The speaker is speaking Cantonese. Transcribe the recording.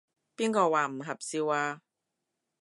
邊個話唔合照啊？